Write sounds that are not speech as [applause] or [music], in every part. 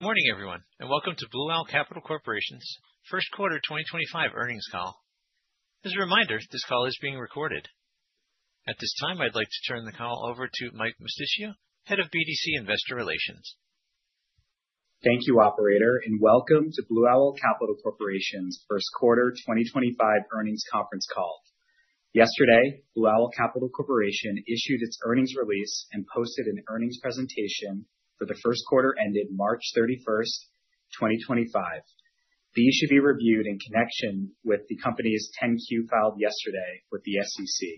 Good morning, everyone, and welcome to Blue Owl Capital Corporation's first quarter 2025 earnings call. As a reminder, this call is being recorded. At this time, I'd like to turn the call over to Mike Mosticchio, Head of BDC Investor Relations. Thank you, Operator, and welcome to Blue Owl Capital Corporation's first quarter 2025 earnings conference call. Yesterday, Blue Owl Capital Corporation issued its earnings release and posted an earnings presentation for the first quarter ended March 31, 2025. These should be reviewed in connection with the company's 10-Q filed yesterday with the SEC.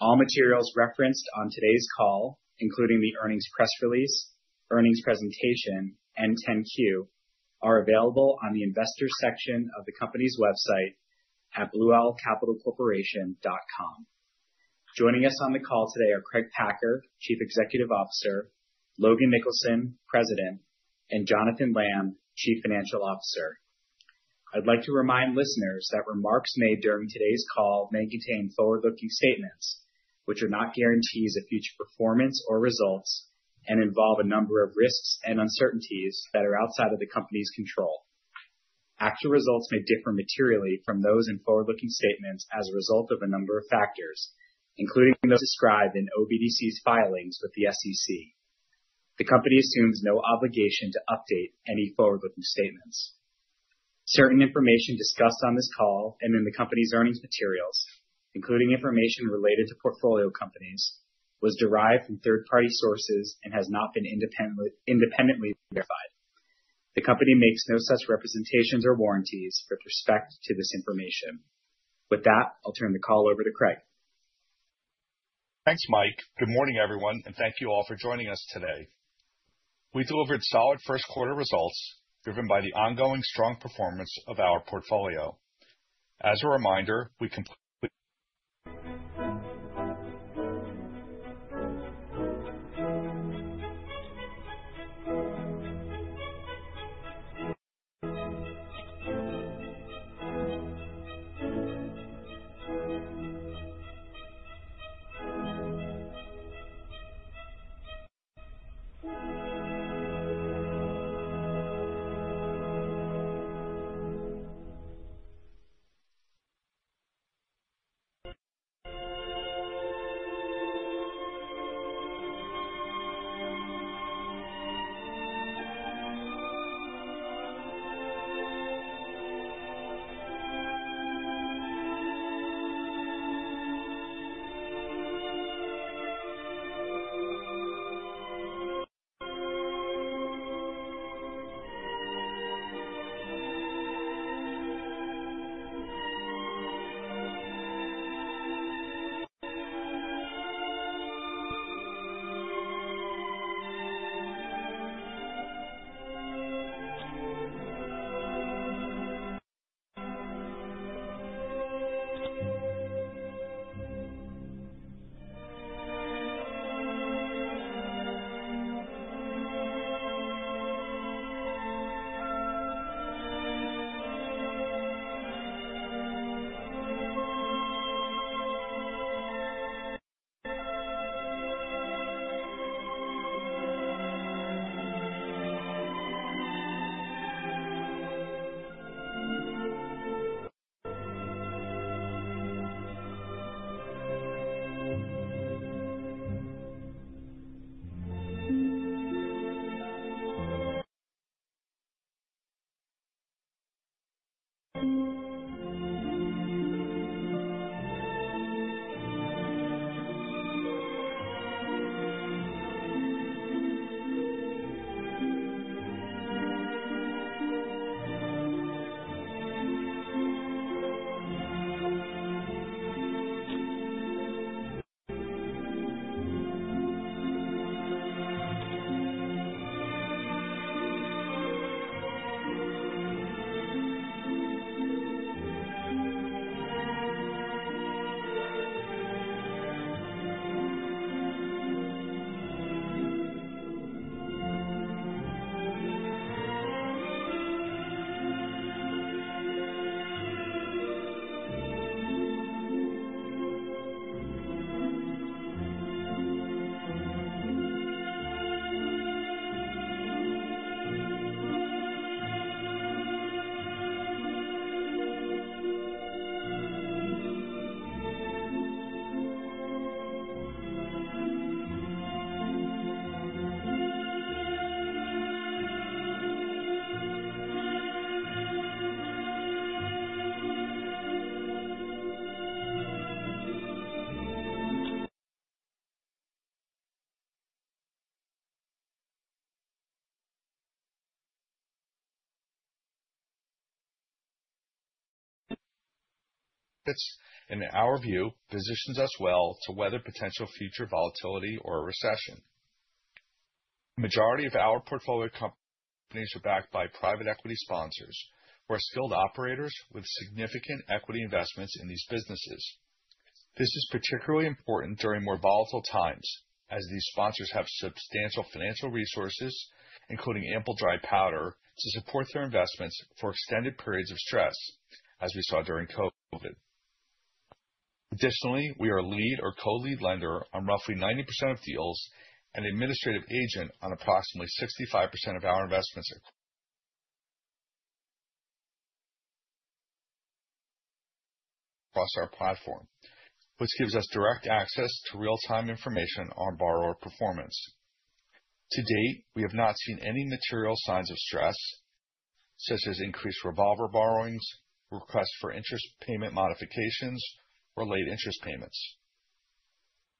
All materials referenced on today's call, including the earnings press release, earnings presentation, and 10-Q, are available on the investor section of the company's website at BlueOwlCapitalCorporation.com. Joining us on the call today are Craig Packer, Chief Executive Officer; Logan Nicholson, President; and Jonathan Lamb, Chief Financial Officer. I'd like to remind listeners that remarks made during today's call may contain forward-looking statements, which are not guarantees of future performance or results and involve a number of risks and uncertainties that are outside of the company's control. Actual results may differ materially from those in forward-looking statements as a result of a number of factors, including those described in OBDC's filings with the SEC. The company assumes no obligation to update any forward-looking statements. Certain information discussed on this call and in the company's earnings materials, including information related to portfolio companies, was derived from third-party sources and has not been independently verified. The company makes no such representations or warranties with respect to this information. With that, I'll turn the call over to Craig. Thanks, Mike. Good morning, everyone, and thank you all for joining us today. We delivered solid first quarter results driven by the ongoing strong performance of our portfolio. As a reminder, we. [audio distortion] In our view, it positions us well to weather potential future volatility or a recession. The majority of our portfolio companies are backed by private equity sponsors, who are skilled operators with significant equity investments in these businesses. This is particularly important during more volatile times, as these sponsors have substantial financial resources, including ample dry powder, to support their investments for extended periods of stress, as we saw during COVID. Additionally, we are a lead or co-lead lender on roughly 90% of deals and an administrative agent on approximately 65% of our investments [audio distortion] across our platform, which gives us direct access to real-time information on borrower performance. To date, we have not seen any material signs of stress, such as increased revolver borrowings, requests for interest payment modifications, or late interest payments.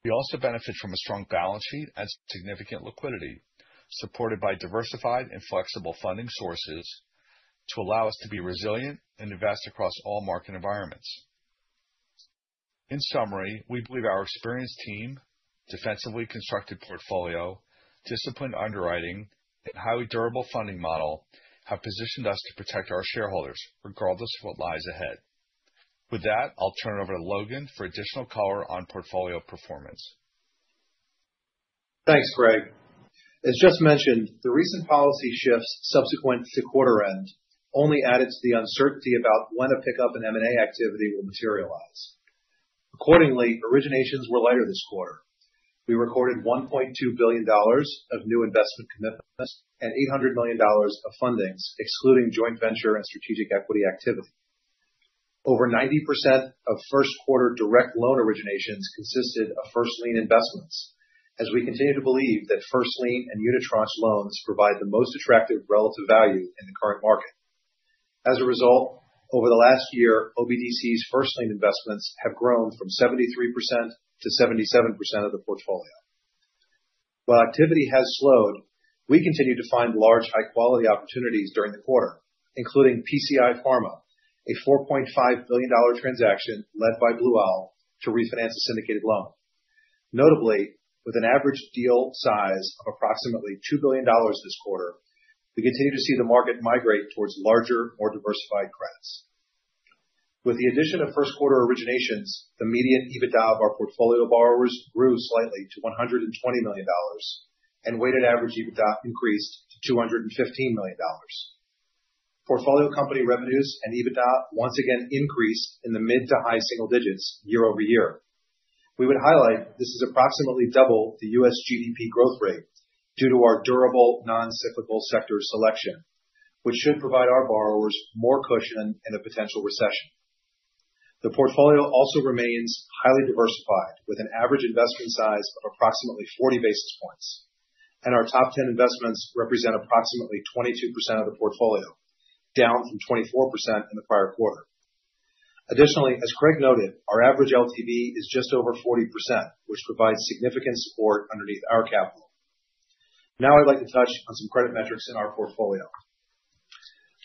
We also benefit from a strong balance sheet and significant liquidity, supported by diversified and flexible funding sources, to allow us to be resilient and invest across all market environments. In summary, we believe our experienced team, defensively constructed portfolio, disciplined underwriting, and highly durable funding model have positioned us to protect our shareholders, regardless of what lies ahead. With that, I'll turn it over to Logan for additional color on portfolio performance. Thanks, Craig. As just mentioned, the recent policy shifts subsequent to quarter-end only added to the uncertainty about when a pickup in M&A activity will materialize. Accordingly, originations were lighter this quarter. We recorded $1.2 billion of new investment commitments and $800 million of fundings, excluding joint venture and strategic equity activity. Over 90% of first quarter direct loan originations consisted of first lien investments, as we continue to believe that first lien and unit tranche loans provide the most attractive relative value in the current market. As a result, over the last year, OBDC's first lien investments have grown from 73% to 77% of the portfolio. While activity has slowed, we continue to find large high-quality opportunities during the quarter, including PCI Pharma, a $4.5 billion transaction led by Blue Owl to refinance a syndicated loan. Notably, with an average deal size of approximately $2 billion this quarter, we continue to see the market migrate towards larger, more diversified credits. With the addition of first quarter originations, the median EBITDA of our portfolio borrowers grew slightly to $120 million, and weighted average EBITDA increased to $215 million. Portfolio company revenues and EBITDA once again increased in the mid to high single digits year over year. We would highlight this is approximately double the U.S. GDP growth rate due to our durable non-cyclical sector selection, which should provide our borrowers more cushion in a potential recession. The portfolio also remains highly diversified, with an average investment size of approximately 40 basis points, and our top 10 investments represent approximately 22% of the portfolio, down from 24% in the prior quarter. Additionally, as Craig noted, our average LTV is just over 40%, which provides significant support underneath our capital. Now I'd like to touch on some credit metrics in our portfolio.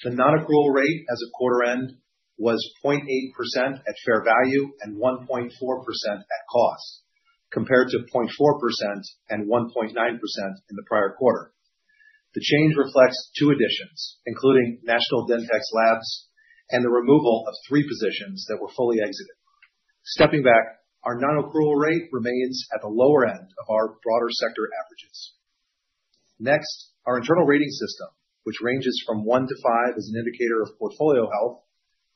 The non-accrual rate as of quarter-end was 0.8% at fair value and 1.4% at cost, compared to 0.4% and 1.9% in the prior quarter. The change reflects two additions, including National Dentex Labs, and the removal of three positions that were fully exited. Stepping back, our non-accrual rate remains at the lower end of our broader sector averages. Next, our internal rating system, which ranges from 1 to 5 as an indicator of portfolio health,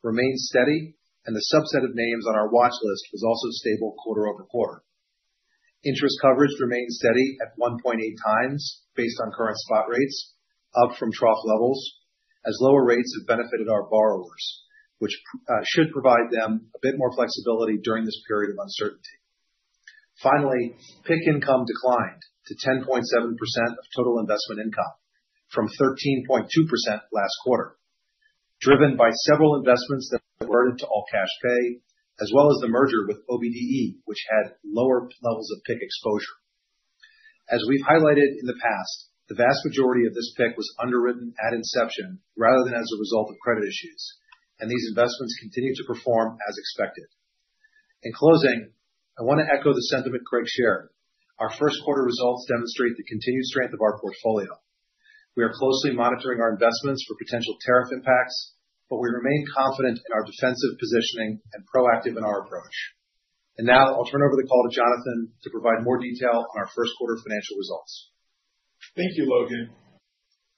remains steady, and the subset of names on our watch list was also stable quarter over quarter. Interest coverage remains steady at 1.8 times based on current spot rates, up from trough levels, as lower rates have benefited our borrowers, which should provide them a bit more flexibility during this period of uncertainty. Finally, PIK income declined to 10.7% of total investment income from 13.2% last quarter, driven by several investments that were diverted to all cash pay, as well as the merger with OBDE, which had lower levels of PIK exposure. As we've highlighted in the past, the vast majority of this PIK was underwritten at inception rather than as a result of credit issues, and these investments continue to perform as expected. In closing, I want to echo the sentiment Craig shared. Our first quarter results demonstrate the continued strength of our portfolio. We are closely monitoring our investments for potential tariff impacts, but we remain confident in our defensive positioning and proactive in our approach. I'll turn over the call to Jonathan to provide more detail on our first quarter financial results. Thank you, Logan.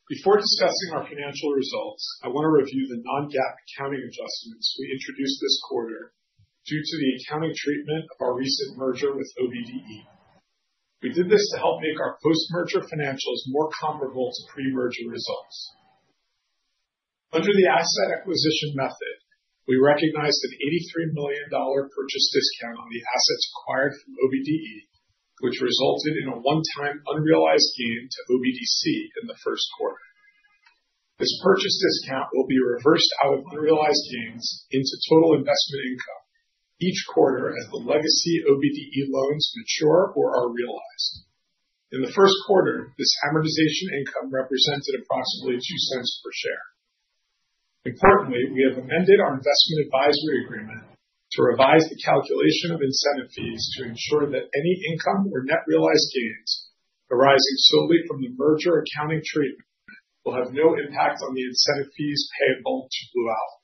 Before discussing our financial results, I want to review the non-GAAP accounting adjustments we introduced this quarter due to the accounting treatment of our recent merger with OBDE. We did this to help make our post-merger financials more comparable to pre-merger results. Under the asset acquisition method, we recognized an $83 million purchase discount on the assets acquired from OBDE, which resulted in a one-time unrealized gain to Blue Owl Capital Corporation in the first quarter. This purchase discount will be reversed out of unrealized gains into total investment income each quarter as the legacy OBDE loans mature or are realized. In the first quarter, this amortization income represented approximately $0.02 per share. Importantly, we have amended our investment advisory agreement to revise the calculation of incentive fees to ensure that any income or net realized gains arising solely from the merger accounting treatment will have no impact on the incentive fees payable to Blue Owl.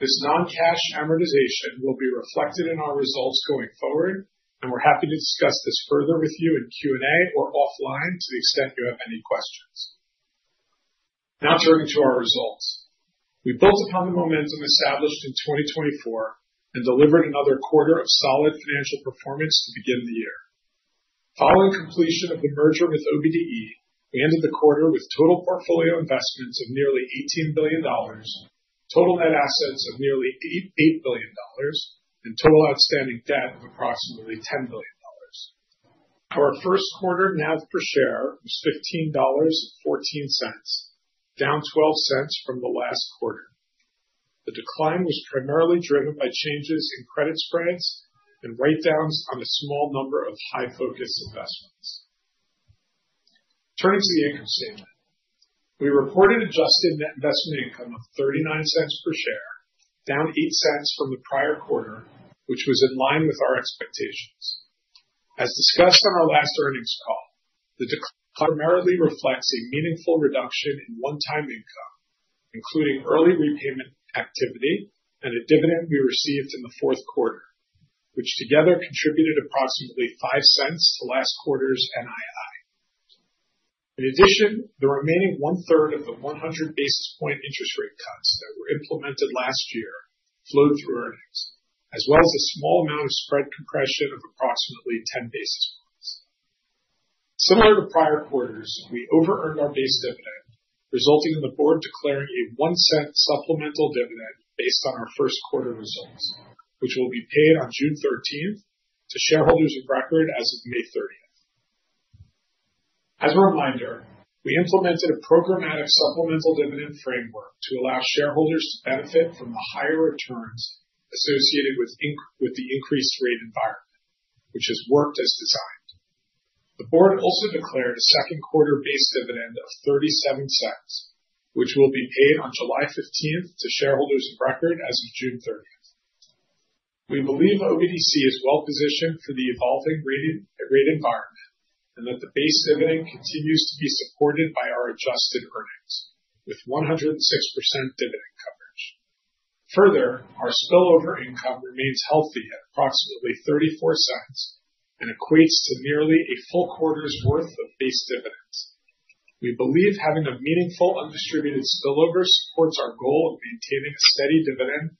This non-cash amortization will be reflected in our results going forward, and we're happy to discuss this further with you in Q&A or offline to the extent you have any questions. Now turning to our results. We built upon the momentum established in 2024 and delivered another quarter of solid financial performance to begin the year. Following completion of the merger with OBDE, we ended the quarter with total portfolio investments of nearly $18 billion, total net assets of nearly $8 billion, and total outstanding debt of approximately $10 billion. Our first quarter NAV per share was $15.14, down $0.12 from the last quarter. The decline was primarily driven by changes in credit spreads and write-downs on a small number of high-focus investments. Turning to the income statement, we reported adjusted net investment income of $0.39 per share, down $0.08 from the prior quarter, which was in line with our expectations. As discussed on our last earnings call, the decline primarily reflects a meaningful reduction in one-time income, including early repayment activity and a dividend we received in the fourth quarter, which together contributed approximately $0.5 to last quarter's NII. In addition, the remaining one-third of the 100 basis point interest rate cuts that were implemented last year flowed through earnings, as well as a small amount of spread compression of approximately 10 basis points. Similar to prior quarters, we over-earned our base dividend, resulting in the board declaring a $0.01 supplemental dividend based on our first quarter results, which will be paid on June 13 to shareholders of record as of May 30. As a reminder, we implemented a programmatic supplemental dividend framework to allow shareholders to benefit from the higher returns associated with the increased rate environment, which has worked as designed. The board also declared a second quarter base dividend of $0.37, which will be paid on July 15 to shareholders of record as of June 30. We believe OBDC is well-positioned for the evolving rate environment and that the base dividend continues to be supported by our adjusted earnings, with 106% dividend coverage. Further, our spillover income remains healthy at approximately $0.34 and equates to nearly a full quarter's worth of base dividends. We believe having a meaningful undistributed spillover supports our goal of maintaining a steady dividend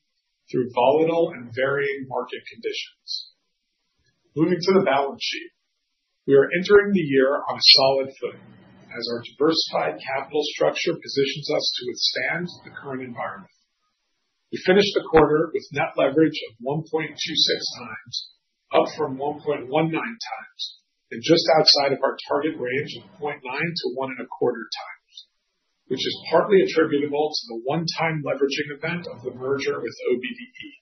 through volatile and varying market conditions. Moving to the balance sheet, we are entering the year on a solid footing as our diversified capital structure positions us to withstand the current environment. We finished the quarter with net leverage of 1.26 times, up from 1.19 times, and just outside of our target range of 0.9-1.25 times, which is partly attributable to the one-time leveraging event of the merger with OBDE.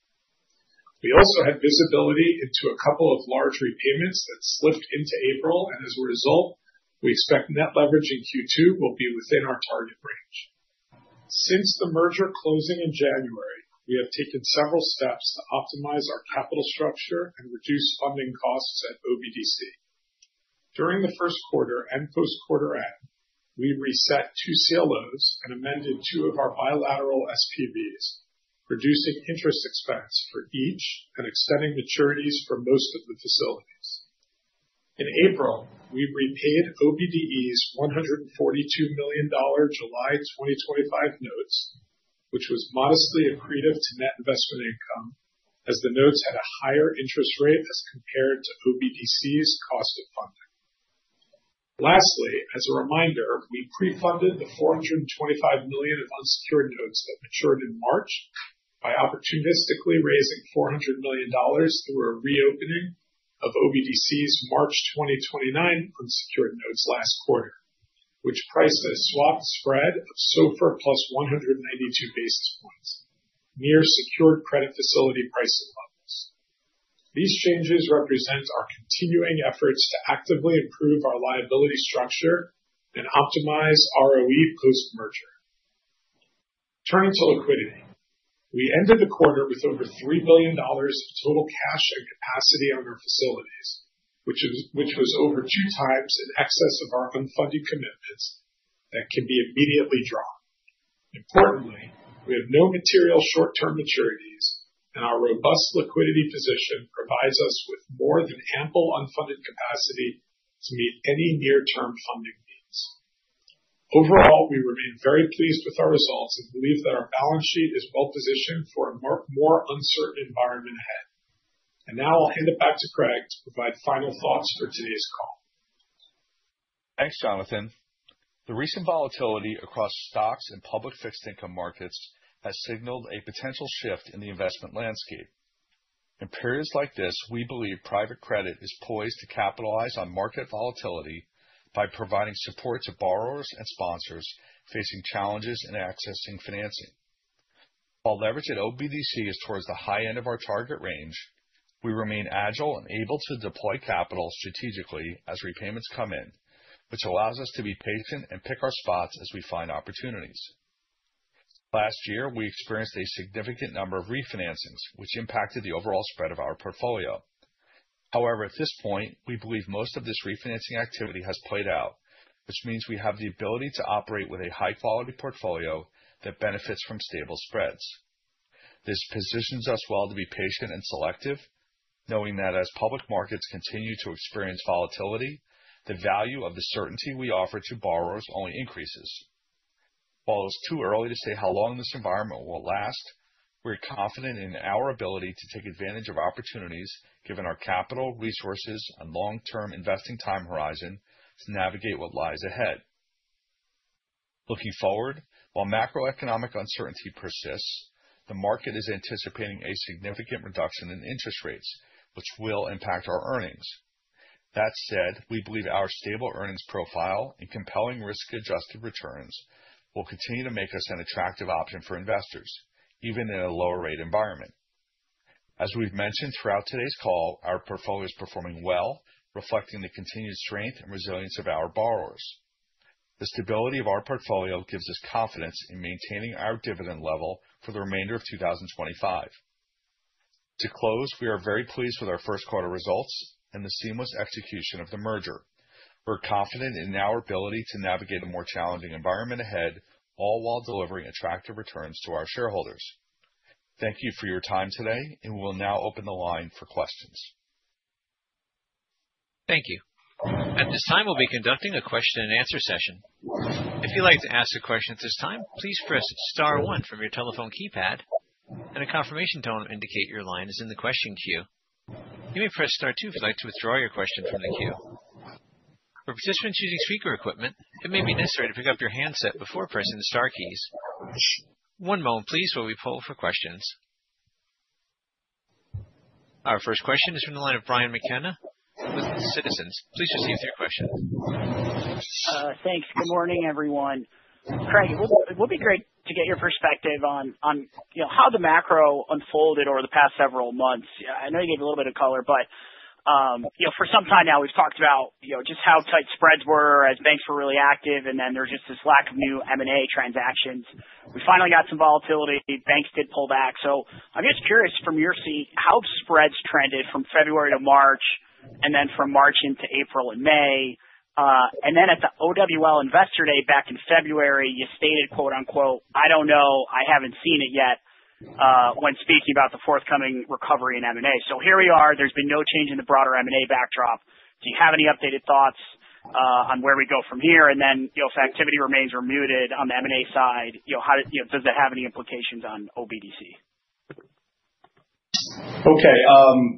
We also had visibility into a couple of large repayments that slipped into April, and as a result, we expect net leverage in Q2 will be within our target range. Since the merger closing in January, we have taken several steps to optimize our capital structure and reduce funding costs at OBDC. During the first quarter and post-quarter-end, we reset two CLOs and amended two of our bilateral SPVs, reducing interest expense for each and extending maturities for most of the facilities. In April, we repaid OBDE's $142 million July 2025 notes, which was modestly accretive to net investment income as the notes had a higher interest rate as compared to OBDC's cost of funding. Lastly, as a reminder, we pre-funded the $425 million of unsecured notes that matured in March by opportunistically raising $400 million through a reopening of OBDC's March 2029 unsecured notes last quarter, which priced at a swap spread of SOFR plus 192 basis points, near secured credit facility pricing levels. These changes represent our continuing efforts to actively improve our liability structure and optimize ROE post-merger. Turning to liquidity, we ended the quarter with over $3 billion of total cash and capacity on our facilities, which was over two times in excess of our unfunded commitments that can be immediately drawn. Importantly, we have no material short-term maturities, and our robust liquidity position provides us with more than ample unfunded capacity to meet any near-term funding needs. Overall, we remain very pleased with our results and believe that our balance sheet is well-positioned for a more uncertain environment ahead. I will hand it back to Craig to provide final thoughts for today's call. Thanks, Jonathan. The recent volatility across stocks and public fixed income markets has signaled a potential shift in the investment landscape. In periods like this, we believe private credit is poised to capitalize on market volatility by providing support to borrowers and sponsors facing challenges in accessing financing. While leverage at OBDC is towards the high end of our target range, we remain agile and able to deploy capital strategically as repayments come in, which allows us to be patient and pick our spots as we find opportunities. Last year, we experienced a significant number of refinancings, which impacted the overall spread of our portfolio. However, at this point, we believe most of this refinancing activity has played out, which means we have the ability to operate with a high-quality portfolio that benefits from stable spreads. This positions us well to be patient and selective, knowing that as public markets continue to experience volatility, the value of the certainty we offer to borrowers only increases. While it is too early to say how long this environment will last, we are confident in our ability to take advantage of opportunities given our capital, resources, and long-term investing time horizon to navigate what lies ahead. Looking forward, while macroeconomic uncertainty persists, the market is anticipating a significant reduction in interest rates, which will impact our earnings. That said, we believe our stable earnings profile and compelling risk-adjusted returns will continue to make us an attractive option for investors, even in a lower rate environment. As we have mentioned throughout today's call, our portfolio is performing well, reflecting the continued strength and resilience of our borrowers. The stability of our portfolio gives us confidence in maintaining our dividend level for the remainder of 2025. To close, we are very pleased with our first quarter results and the seamless execution of the merger. We're confident in our ability to navigate a more challenging environment ahead, all while delivering attractive returns to our shareholders. Thank you for your time today, and we will now open the line for questions. Thank you. At this time, we'll be conducting a question-and-answer session. If you'd like to ask a question at this time, please press Star 1 from your telephone keypad, and a confirmation tone to indicate your line is in the question queue. You may press Star 2 if you'd like to withdraw your question from the queue. For participants using speaker equipment, it may be necessary to pick up your handset before pressing the Star keys. One moment, please, while we pull for questions. Our first question is from the line of Brian McKenna with Citizens. Please proceed with your question. Thanks. Good morning, everyone. Craig, it would be great to get your perspective on how the macro unfolded over the past several months. I know you gave a little bit of color, but for some time now, we've talked about just how tight spreads were as banks were really active, and then there's just this lack of new M&A transactions. We finally got some volatility. Banks did pull back. I'm just curious from your seat how spreads trended from February to March and then from March into April and May. At the OWL Investor Day back in February, you stated, "I don't know. I haven't seen it yet" when speaking about the forthcoming recovery in M&A. Here we are. There's been no change in the broader M&A backdrop. Do you have any updated thoughts on where we go from here? And then, if activity remains or muted on the M&A side, does that have any implications on OBDC? Okay.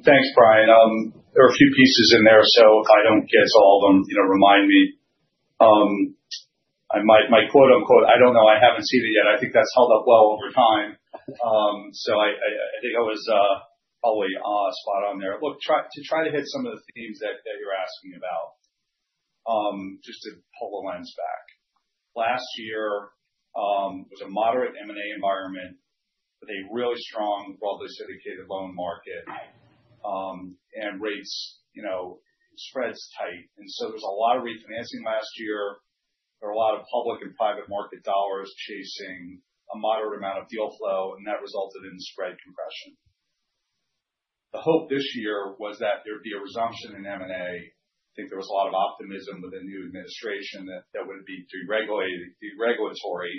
Thanks, Brian. There are a few pieces in there, so if I do not get to all of them, remind me. My quote-unquote, "I do not know. I have not seen it yet." I think that has held up well over time. I think I was probably spot on there. Look, to try to hit some of the themes that you are asking about, just to pull the lens back. Last year was a moderate M&A environment with a really strong, broadly syndicated loan market and spreads tight. There was a lot of refinancing last year. There were a lot of public and private market dollars chasing a moderate amount of deal flow, and that resulted in spread compression. The hope this year was that there would be a resumption in M&A. I think there was a lot of optimism with the new administration that that would be deregulatory,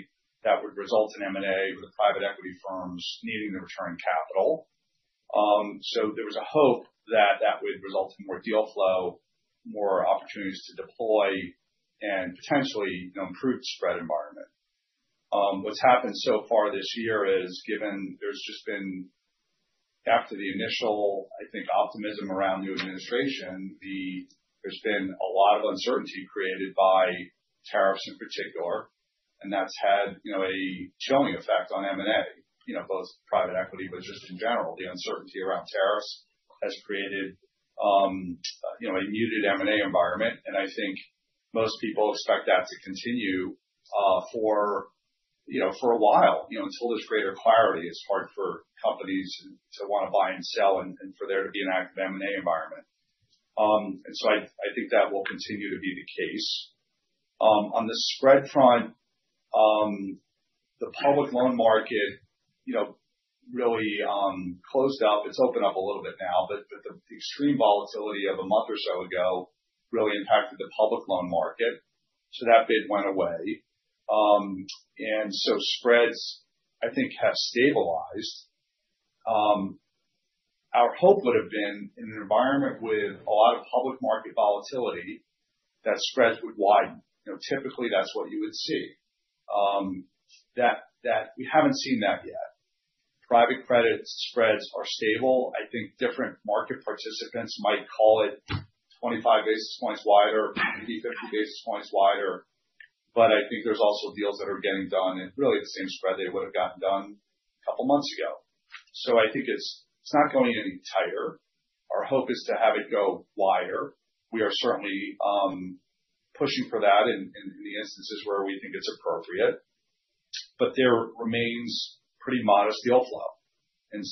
that would result in M&A with the private equity firms needing to return capital. There was a hope that that would result in more deal flow, more opportunities to deploy, and potentially improved spread environment. What's happened so far this year is, given there's just been after the initial, I think, optimism around the administration, there's been a lot of uncertainty created by tariffs in particular, and that's had a showing effect on M&A, both private equity, but just in general. The uncertainty around tariffs has created a muted M&A environment, and I think most people expect that to continue for a while until there's greater clarity. It's hard for companies to want to buy and sell and for there to be an active M&A environment. I think that will continue to be the case. On the spread front, the public loan market really closed up. It has opened up a little bit now, but the extreme volatility of a month or so ago really impacted the public loan market, so that bit went away. Spreads, I think, have stabilized. Our hope would have been in an environment with a lot of public market volatility that spreads would widen. Typically, that is what you would see. We have not seen that yet. Private credit spreads are stable. I think different market participants might call it 25 basis points wider, maybe 50 basis points wider, but I think there are also deals that are getting done at really the same spread they would have gotten done a couple of months ago. I think it is not going any tighter. Our hope is to have it go wider. We are certainly pushing for that in the instances where we think it's appropriate, but there remains pretty modest deal flow. The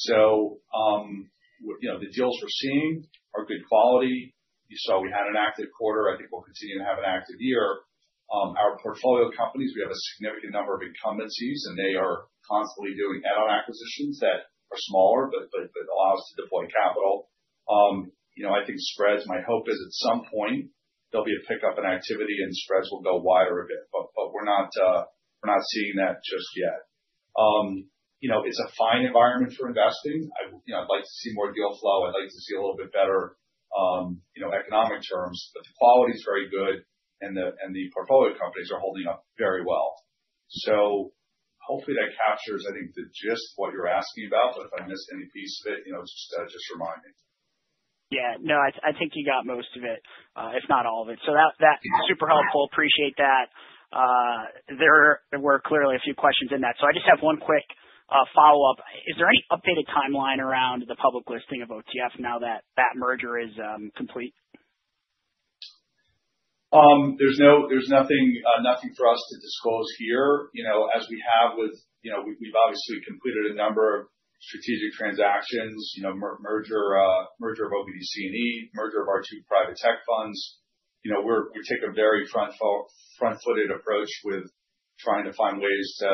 deals we're seeing are good quality. You saw we had an active quarter. I think we'll continue to have an active year. Our portfolio companies, we have a significant number of incumbencies, and they are constantly doing add-on acquisitions that are smaller, but allow us to deploy capital. I think spreads, my hope is at some point there'll be a pickup in activity and spreads will go wider a bit, but we're not seeing that just yet. It's a fine environment for investing. I'd like to see more deal flow. I'd like to see a little bit better economic terms, but the quality is very good and the portfolio companies are holding up very well. Hopefully that captures, I think, the gist of what you're asking about, but if I missed any piece of it, just remind me. Yeah. No, I think you got most of it, if not all of it. That is super helpful. Appreciate that. There were clearly a few questions in that. I just have one quick follow-up. Is there any updated timeline around the public listing of OTF now that that merger is complete? There's nothing for us to disclose here. As we have with, we've obviously completed a number of strategic transactions, merger of OBDC and E, merger of our two private tech funds. We take a very front-footed approach with trying to find ways to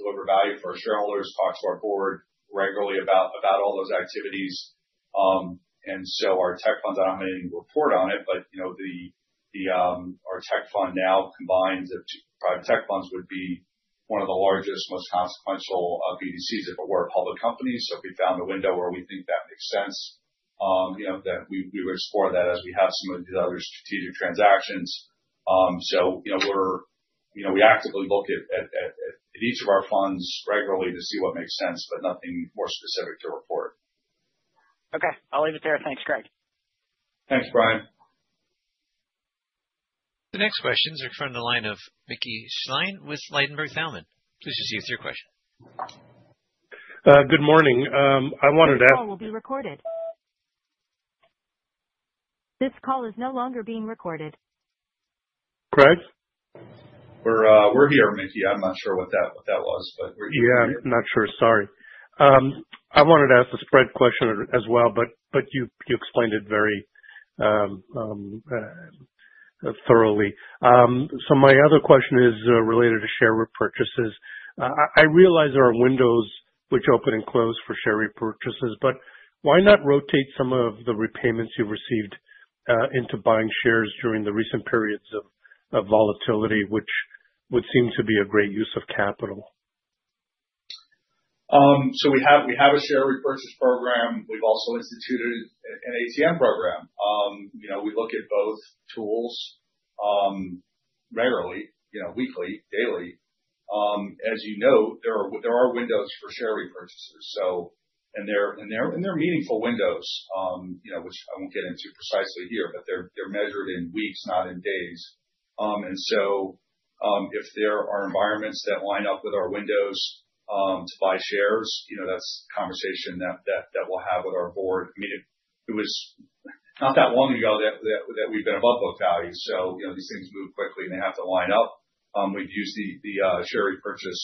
deliver value for our shareholders, talk to our board regularly about all those activities. Our tech funds, I don't have anything to report on it, but our tech fund now combined of two private tech funds would be one of the largest, most consequential BDCs if it were a public company. If we found a window where we think that makes sense, we would explore that as we have some of these other strategic transactions. We actively look at each of our funds regularly to see what makes sense, but nothing more specific to report. Okay. I'll leave it there. Thanks, Craig. Thanks, Brian. The next questions are from the line of Mickey Schleien with Ladenburg Thalmann. Please proceed with your question. Good morning. I wanted to ask. This call will be recorded. This call is no longer being recorded. Craig? We're here, Mickey. I'm not sure what that was, but we're here. Yeah. I'm not sure. Sorry. I wanted to ask a spread question as well, but you explained it very thoroughly. My other question is related to share repurchases. I realize there are windows which open and close for share repurchases, but why not rotate some of the repayments you've received into buying shares during the recent periods of volatility, which would seem to be a great use of capital? We have a share repurchase program. We've also instituted an ATM program. We look at both tools regularly, weekly, daily. As you know, there are windows for share repurchases, and they're meaningful windows, which I won't get into precisely here, but they're measured in weeks, not in days. If there are environments that line up with our windows to buy shares, that's a conversation that we'll have with our board. I mean, it was not that long ago that we've been above book value. These things move quickly, and they have to line up. We've used the share repurchase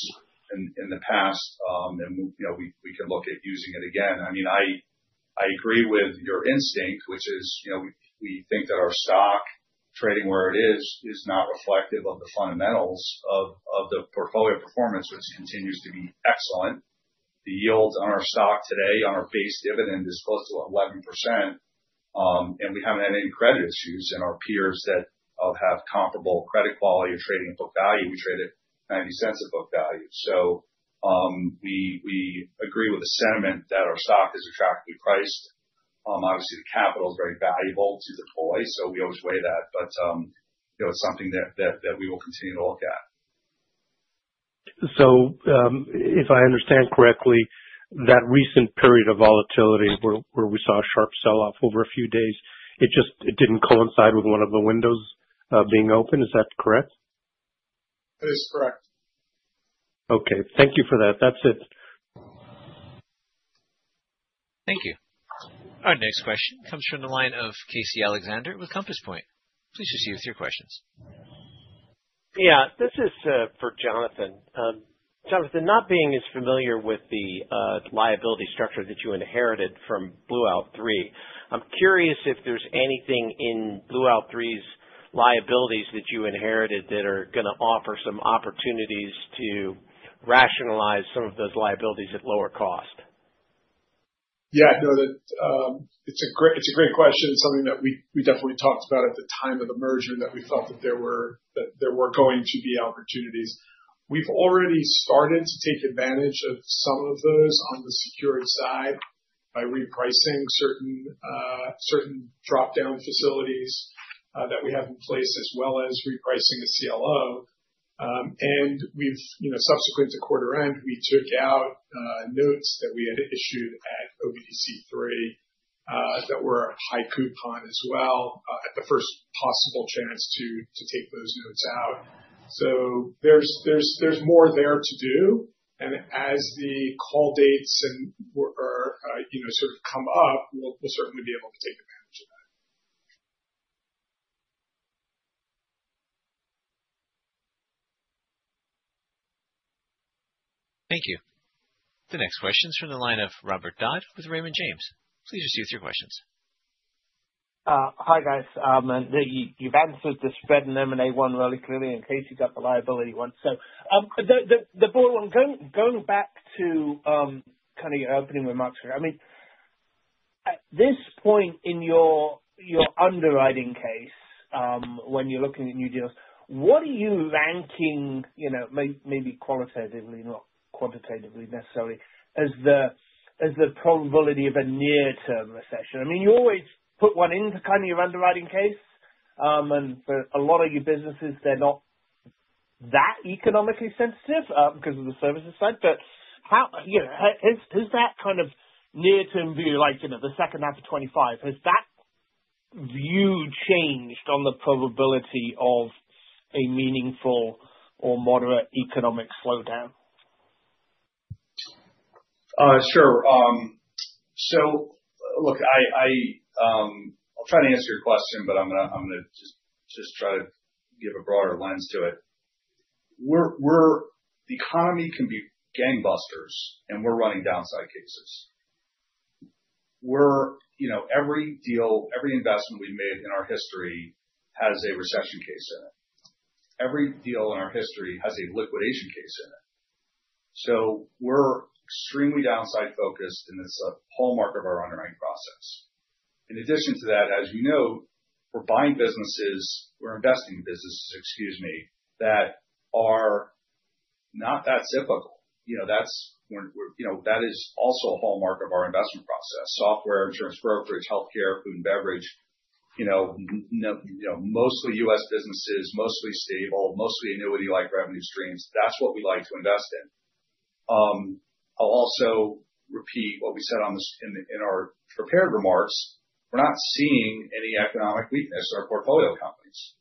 in the past, and we can look at using it again. I mean, I agree with your instinct, which is we think that our stock trading where it is is not reflective of the fundamentals of the portfolio performance, which continues to be excellent. The yield on our stock today on our base dividend is close to 11%, and we haven't had any credit issues in our peers that have comparable credit quality or trading at book value. We trade at $0.90 at book value. We agree with the sentiment that our stock is attractively priced. Obviously, the capital is very valuable to deploy, so we always weigh that, but it's something that we will continue to look at. If I understand correctly, that recent period of volatility where we saw a sharp sell-off over a few days, it did not coincide with one of the windows being open. Is that correct? That is correct. Okay. Thank you for that. That's it. Thank you. Our next question comes from the line of Casey Alexander with Compass Point. Please proceed with your questions. Yeah. This is for Jonathan. Jonathan, not being as familiar with the liability structure that you inherited from Blue Owl Three, I'm curious if there's anything in Blue Owl Three's liabilities that you inherited that are going to offer some opportunities to rationalize some of those liabilities at lower cost. Yeah. No, it's a great question. It's something that we definitely talked about at the time of the merger that we felt that there were going to be opportunities. We've already started to take advantage of some of those on the secured side by repricing certain drop-down facilities that we have in place, as well as repricing a CLO. Subsequent to quarter end, we took out notes that we had issued at OBDC Three that were a high coupon as well at the first possible chance to take those notes out. There is more there to do. As the call dates sort of come up, we'll certainly be able to take advantage of that. Thank you. The next question is from the line of Robert Dodd with Raymond James. Please proceed with your questions. Hi, guys. You've answered the spread and M&A one really clearly, and Casey got the liability one. The board one, going back to kind of your opening remarks, I mean, at this point in your underwriting case, when you're looking at new deals, what are you ranking, maybe qualitatively, not quantitatively necessarily, as the probability of a near-term recession? I mean, you always put one into kind of your underwriting case, and for a lot of your businesses, they're not that economically sensitive because of the services side. Has that kind of near-term view, like the second half of 2025, has that view changed on the probability of a meaningful or moderate economic slowdown? Sure. Look, I'll try to answer your question, but I'm going to just try to give a broader lens to it. The economy can be gangbusters, and we're running downside cases. Every deal, every investment we've made in our history has a recession case in it. Every deal in our history has a liquidation case in it. We're extremely downside-focused, and it's a hallmark of our underwriting process. In addition to that, as you know, we're buying businesses. We're investing in businesses, excuse me, that are not that cyclical. That is also a hallmark of our investment process: software, insurance brokerage, healthcare, food and beverage, mostly U.S. businesses, mostly stable, mostly annuity-like revenue streams. That's what we like to invest in. I'll also repeat what we said in our prepared remarks. We're not seeing any economic weakness in our portfolio companies.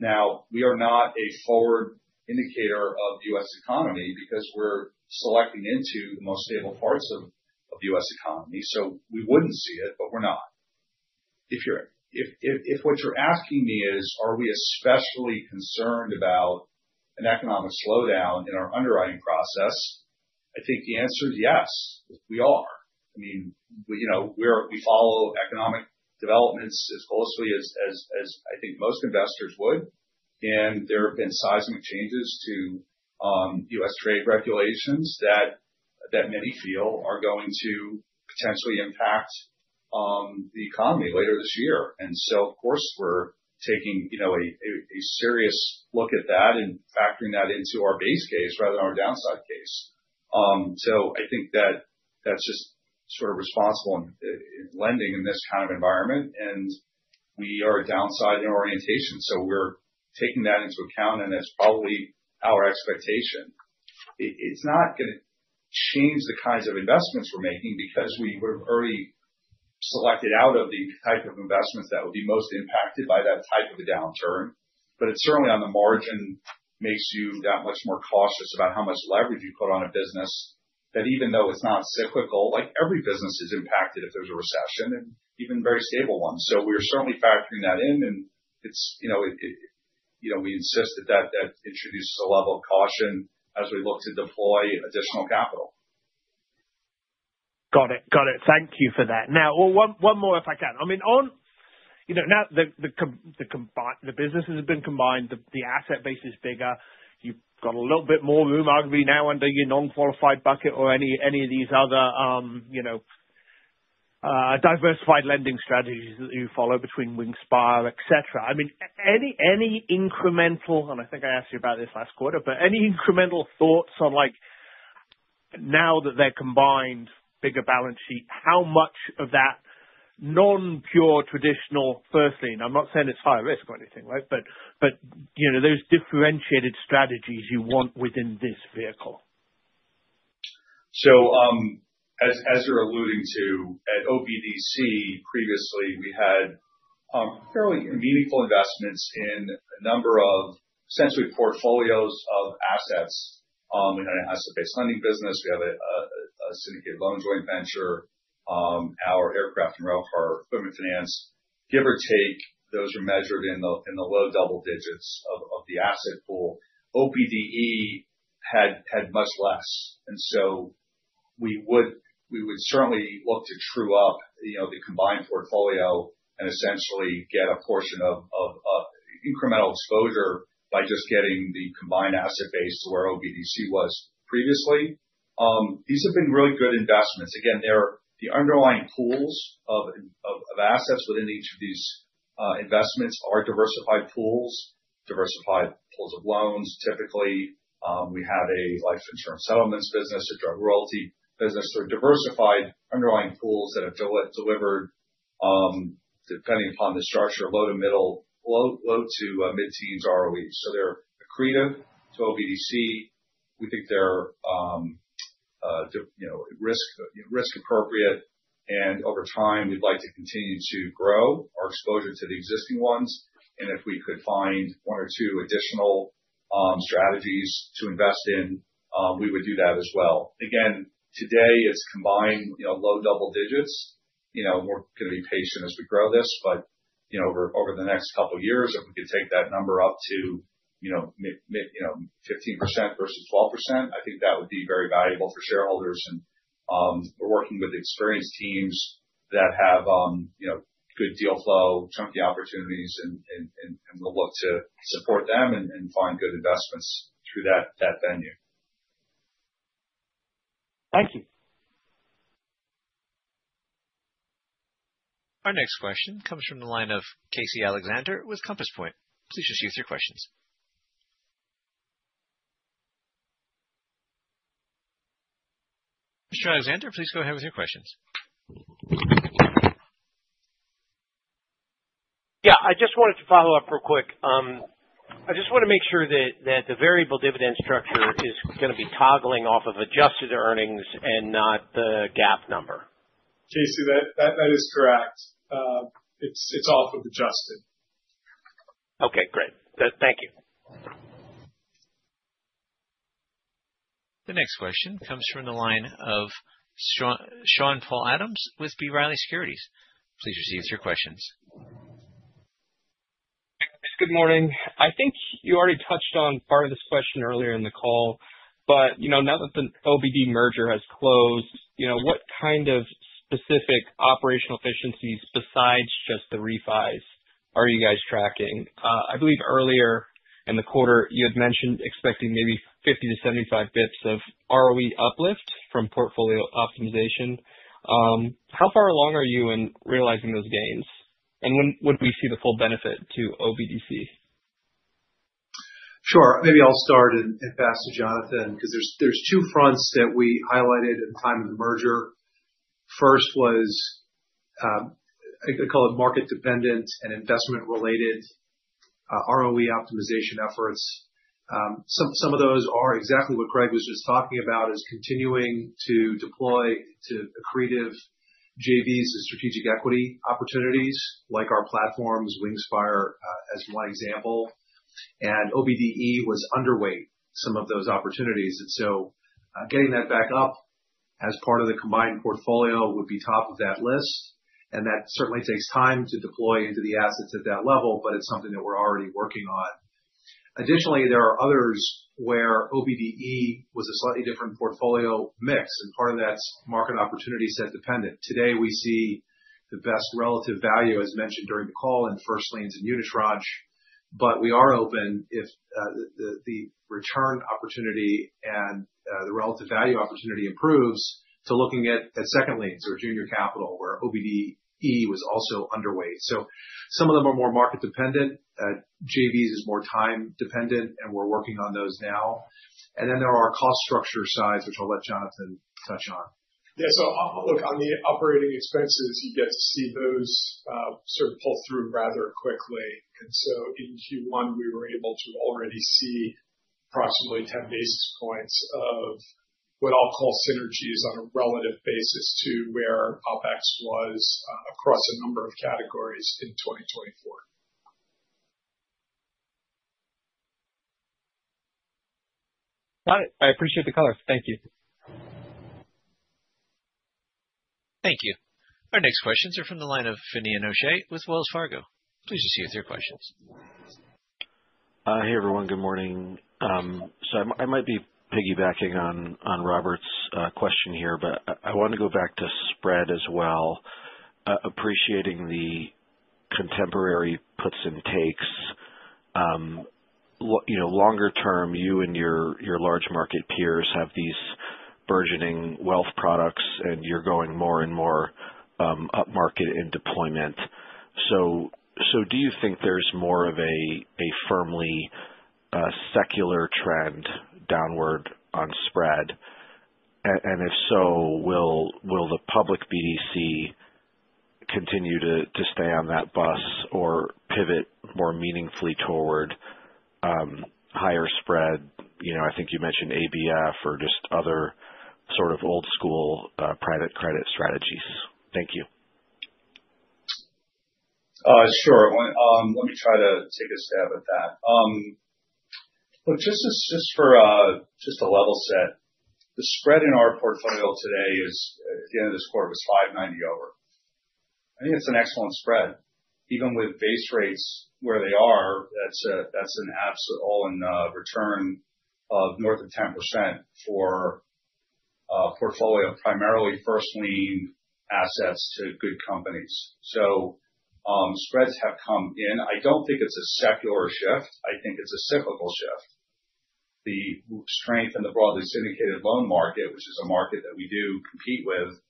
Now, we are not a forward indicator of the U.S. economy because we're selecting into the most stable parts of the U.S. economy. We wouldn't see it, but we're not. If what you're asking me is, are we especially concerned about an economic slowdown in our underwriting process, I think the answer is yes, we are. I mean, we follow economic developments as closely as I think most investors would, and there have been seismic changes to U.S. trade regulations that many feel are going to potentially impact the economy later this year. Of course, we're taking a serious look at that and factoring that into our base case rather than our downside case. I think that that's just sort of responsible in lending in this kind of environment, and we are a downside in orientation. We're taking that into account, and that's probably our expectation. It's not going to change the kinds of investments we're making because we would have already selected out of the type of investments that would be most impacted by that type of a downturn, but it certainly on the margin makes you that much more cautious about how much leverage you put on a business that even though it's not cyclical, like every business is impacted if there's a recession and even very stable ones. We're certainly factoring that in, and we insist that that introduces a level of caution as we look to deploy additional capital. Got it. Got it. Thank you for that. Now, one more if I can. I mean, now the businesses have been combined, the asset base is bigger. You've got a little bit more room, arguably now under your non-qualified bucket or any of these other diversified lending strategies that you follow between Wingspire, etc. I mean, any incremental—and I think I asked you about this last quarter—but any incremental thoughts on now that they're combined, bigger balance sheet, how much of that non-pure traditional firstly? And I'm not saying it's high risk or anything, right? But those differentiated strategies you want within this vehicle. As you're alluding to, at OBDC previously, we had fairly meaningful investments in a number of essentially portfolios of assets. We had an asset-based lending business. We have a syndicated loan joint venture, our aircraft and rail car equipment finance. Give or take, those are measured in the low double digits of the asset pool. OBDE had much less. We would certainly look to true up the combined portfolio and essentially get a portion of incremental exposure by just getting the combined asset base to where OBDC was previously. These have been really good investments. Again, the underlying pools of assets within each of these investments are diversified pools, diversified pools of loans. Typically, we have a life insurance settlements business, a drug royalty business. They're diversified underlying pools that have delivered depending upon the structure, low to middle, low to mid-teens ROEs. They're accretive to OBDC. We think they're risk-appropriate, and over time, we'd like to continue to grow our exposure to the existing ones. If we could find one or two additional strategies to invest in, we would do that as well. Again, today, it's combined low double digits. We're going to be patient as we grow this, but over the next couple of years, if we could take that number up to 15% versus 12%, I think that would be very valuable for shareholders. We're working with experienced teams that have good deal flow, chunky opportunities, and we'll look to support them and find good investments through that venue. Thank you. Our next question comes from the line of Casey Alexander with Compass Point. Please proceed with your questions. Mr. Alexander, please go ahead with your questions. Yeah. I just wanted to follow up real quick. I just want to make sure that the variable dividend structure is going to be toggling off of adjusted earnings and not the GAAP number. Casey, that is correct. It's off of adjusted. Okay. Great. Thank you. The next question comes from the line of Sean Paul Adams with B. Riley Securities. Please proceed with your questions. Good morning. I think you already touched on part of this question earlier in the call, but now that the OBDC merger has closed, what kind of specific operational efficiencies besides just the refis are you guys tracking? I believe earlier in the quarter, you had mentioned expecting maybe 50 to 75 basis points of ROE uplift from portfolio optimization. How far along are you in realizing those gains? And when would we see the full benefit to OBDC? Sure. Maybe I'll start and pass to Jonathan because there's two fronts that we highlighted at the time of the merger. First was, I call it market-dependent and investment-related ROE optimization efforts. Some of those are exactly what Craig was just talking about, is continuing to deploy to accretive JVs and strategic equity opportunities like our platforms, Wingspire as one example. OBDE was underweight some of those opportunities. Getting that back up as part of the combined portfolio would be top of that list. That certainly takes time to deploy into the assets at that level, but it's something that we're already working on. Additionally, there are others where OBDE was a slightly different portfolio mix, and part of that's market opportunity set dependent. Today, we see the best relative value, as mentioned during the call, in first liens and unitranche, but we are open if the return opportunity and the relative value opportunity improves to looking at second liens or junior capital where OBDE was also underweight. Some of them are more market-dependent. JVs is more time-dependent, and we're working on those now. There are cost structure sides, which I'll let Jonathan touch on. Yeah. Look, on the operating expenses, you get to see those sort of pull through rather quickly. In Q1, we were able to already see approximately 10 basis points of what I'll call synergies on a relative basis to where OpEx was across a number of categories in 2024. Got it. I appreciate the color. Thank you. Thank you. Our next questions are from the line of Finian O'Shea with Wells Fargo. Please proceed with your questions. Hey, everyone. Good morning. I might be piggybacking on Robert's question here, but I want to go back to spread as well. Appreciating the contemporary puts and takes. Longer term, you and your large market peers have these burgeoning wealth products, and you're going more and more upmarket in deployment. Do you think there's more of a firmly secular trend downward on spread? If so, will the public BDC continue to stay on that bus or pivot more meaningfully toward higher spread? I think you mentioned ABF or just other sort of old-school private credit strategies. Thank you. Sure. Let me try to take a stab at that. Look, just for just a level set, the spread in our portfolio today is, at the end of this quarter, was 5.90 over. I think it's an excellent spread. Even with base rates where they are, that's an absolute all-in return of north of 10% for a portfolio of primarily first-lien assets to good companies. Spreads have come in. I don't think it's a secular shift. I think it's a cyclical shift. The strength in the broadly syndicated loan market, which is a market that we do compete with,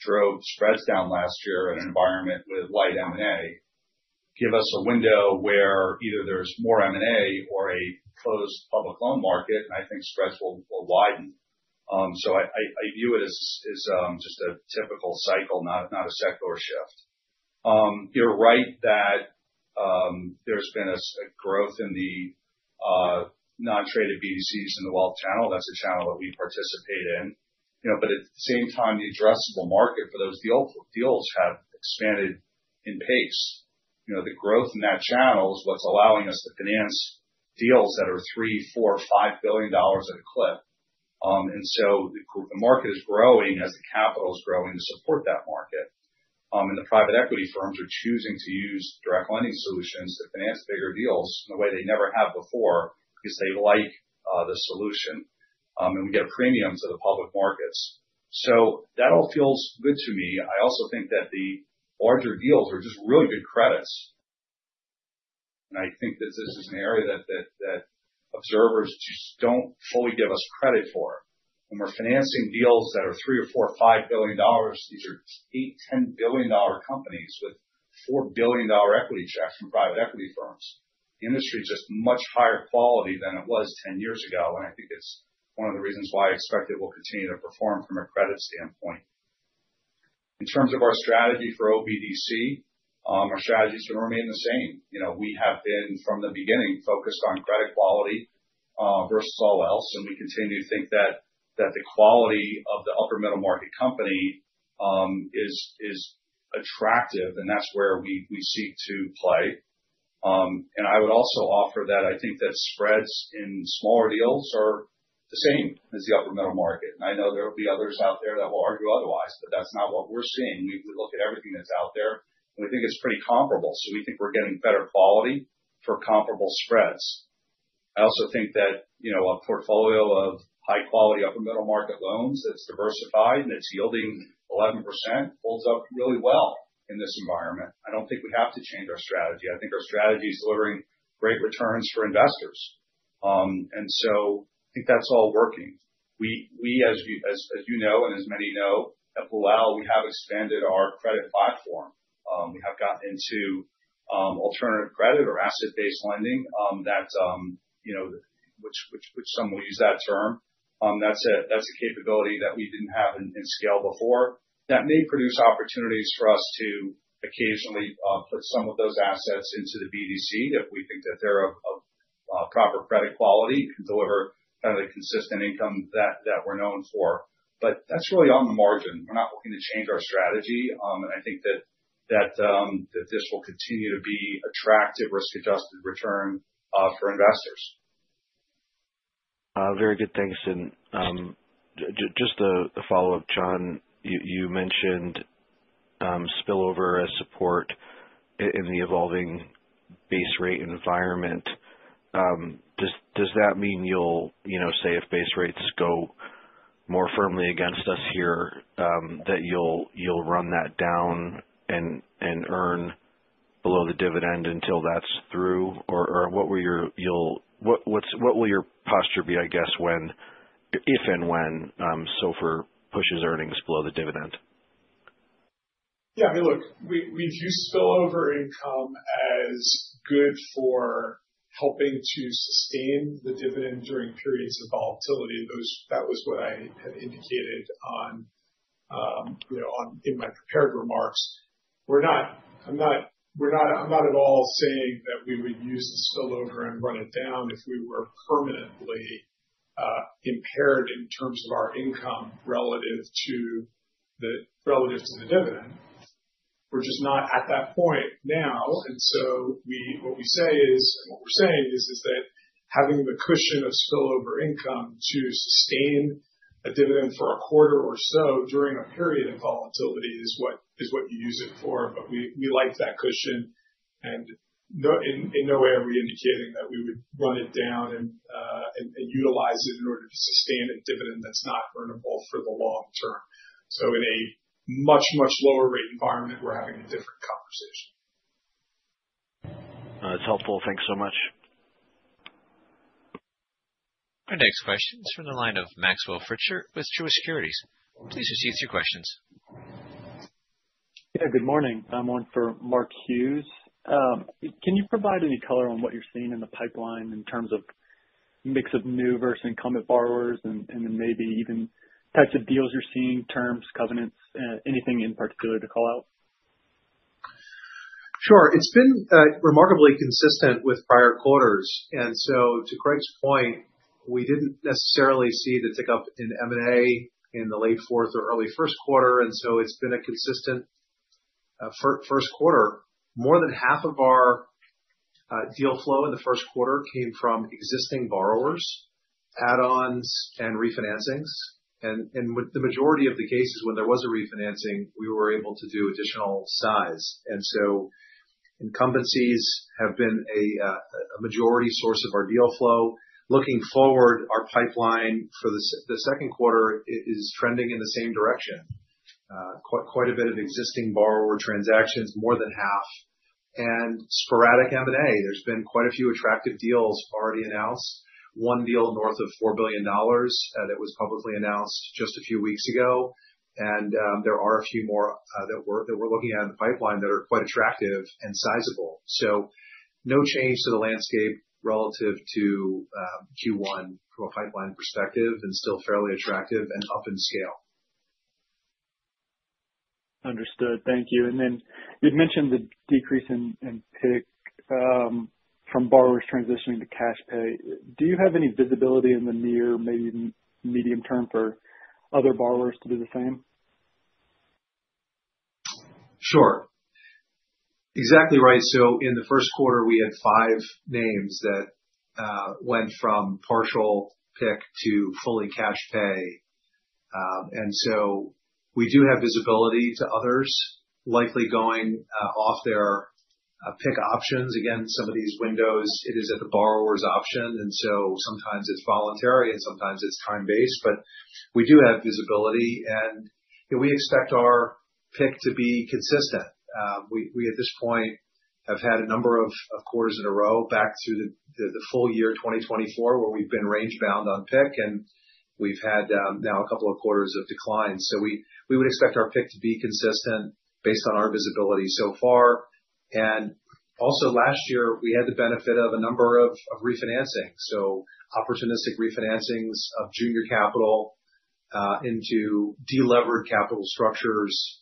drove spreads down last year in an environment with light M&A, give us a window where either there's more M&A or a closed public loan market, and I think spreads will widen. I view it as just a typical cycle, not a secular shift. You're right that there's been a growth in the non-traded BDCs in the wealth channel. That's a channel that we participate in. At the same time, the addressable market for those deals has expanded in pace. The growth in that channel is what's allowing us to finance deals that are $3 billion, $4 billion, $5 billion at a clip. The market is growing as the capital is growing to support that market. The private equity firms are choosing to use direct lending solutions to finance bigger deals in a way they never have before because they like the solution. We get a premium to the public markets. That all feels good to me. I also think that the larger deals are just really good credits. I think that this is an area that observers just do not fully give us credit for. When we're financing deals that are $3 billion or $4 billion, $5 billion, these are $8 billion, $10 billion companies with $4 billion equity checks from private equity firms. The industry is just much higher quality than it was 10 years ago, and I think it's one of the reasons why I expect it will continue to perform from a credit standpoint. In terms of our strategy for OBDC, our strategy is going to remain the same. We have been, from the beginning, focused on credit quality versus all else, and we continue to think that the quality of the upper middle market company is attractive, and that's where we seek to play. I would also offer that I think that spreads in smaller deals are the same as the upper middle market. I know there will be others out there that will argue otherwise, but that's not what we're seeing. We look at everything that's out there, and we think it's pretty comparable. We think we're getting better quality for comparable spreads. I also think that a portfolio of high-quality upper middle market loans that's diversified and that's yielding 11% holds up really well in this environment. I don't think we have to change our strategy. I think our strategy is delivering great returns for investors. I think that's all working. We, as you know and as many know, at Blue Owl, we have expanded our credit platform. We have gotten into alternative credit or asset-based lending, which some will use that term. That's a capability that we didn't have in scale before. That may produce opportunities for us to occasionally put some of those assets into the BDC if we think that they're of proper credit quality and can deliver kind of the consistent income that we're known for. That is really on the margin. We're not looking to change our strategy, and I think that this will continue to be attractive, risk-adjusted return for investors. Very good. Thanks. Just to follow up, John, you mentioned spillover support in the evolving base rate environment. Does that mean you'll say if base rates go more firmly against us here, that you'll run that down and earn below the dividend until that's through? What will your posture be, I guess, if and when SOFR pushes earnings below the dividend? Yeah. I mean, look, we view spillover income as good for helping to sustain the dividend during periods of volatility. That was what I had indicated in my prepared remarks. I'm not at all saying that we would use the spillover and run it down if we were permanently impaired in terms of our income relative to the dividend. We're just not at that point now. What we say is, and what we're saying is, is that having the cushion of spillover income to sustain a dividend for a quarter or so during a period of volatility is what you use it for. We like that cushion. In no way are we indicating that we would run it down and utilize it in order to sustain a dividend that's not burnable for the long term. In a much, much lower rate environment, we're having a different conversation. That's helpful. Thanks so much. Our next question is from the line of Maxwell Fritscher with Jefferies Securities. Please proceed with your questions. Yeah. Good morning. I'm on for Mark Hughes. Can you provide any color on what you're seeing in the pipeline in terms of mix of new versus incumbent borrowers and then maybe even types of deals you're seeing, terms, covenants, anything in particular to call out? Sure. It has been remarkably consistent with prior quarters. To Craig's point, we did not necessarily see the tick up in M&A in the late fourth or early first quarter. It has been a consistent first quarter. More than half of our deal flow in the first quarter came from existing borrowers, add-ons, and refinancings. In the majority of the cases, when there was a refinancing, we were able to do additional size. Incumbencies have been a majority source of our deal flow. Looking forward, our pipeline for the second quarter is trending in the same direction. Quite a bit of existing borrower transactions, more than half. Sporadic M&A. There have been quite a few attractive deals already announced. One deal north of $4 billion that was publicly announced just a few weeks ago. There are a few more that we're looking at in the pipeline that are quite attractive and sizable. No change to the landscape relative to Q1 from a pipeline perspective and still fairly attractive and up in scale. Understood. Thank you. You'd mentioned the decrease in PIK from borrowers transitioning to cash pay. Do you have any visibility in the near, maybe medium term for other borrowers to do the same? Sure. Exactly right. In the first quarter, we had five names that went from partial PIK to fully cash pay. We do have visibility to others likely going off their PIK options. Again, some of these windows, it is at the borrower's option. Sometimes it is voluntary and sometimes it is time-based. We do have visibility, and we expect our PIK to be consistent. At this point, we have had a number of quarters in a row back through the full year 2024 where we have been range-bound on PIK, and we have had now a couple of quarters of decline. We would expect our PIK to be consistent based on our visibility so far. Also, last year, we had the benefit of a number of refinancings. Opportunistic refinancings of junior capital into delevered capital structures,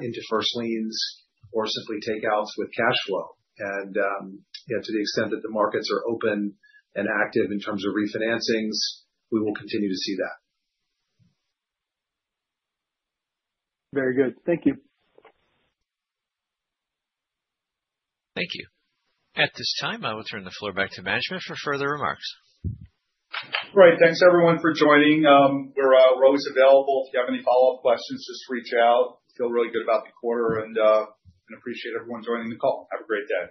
into first liens, or simply takeouts with cash flow. To the extent that the markets are open and active in terms of refinancings, we will continue to see that. Very good. Thank you. Thank you. At this time, I will turn the floor back to management for further remarks. All right. Thanks, everyone, for joining. We're always available. If you have any follow-up questions, just reach out. Feel really good about the quarter, and I appreciate everyone joining the call. Have a great day.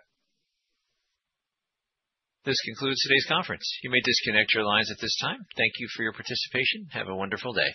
This concludes today's conference. You may disconnect your lines at this time. Thank you for your participation. Have a wonderful day.